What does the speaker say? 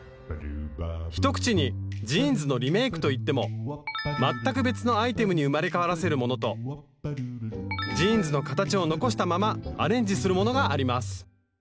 一口にジーンズのリメイクと言っても全く別のアイテムに生まれ変わらせるものとジーンズの形を残したままアレンジするものがあります